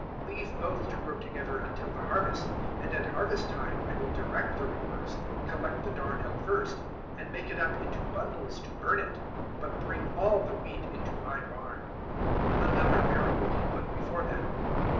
013:030 Leave both to grow together until the harvest, and at harvest time I will direct the reapers, Collect the darnel first, and make it up into bundles to burn it, but bring all the wheat into my barn.'" 013:031 Another parable He put before them.